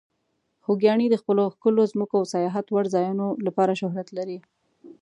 خوږیاڼي د خپلو ښکلو ځمکو او سیاحت وړ ځایونو لپاره شهرت لري.